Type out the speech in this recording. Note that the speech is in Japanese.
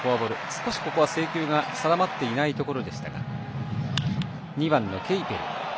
少し、ここは制球が定まっていないところでしたが２番のケイペル。